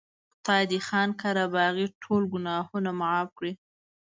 خدای دې خان قره باغي ټول ګناهونه معاف کړي.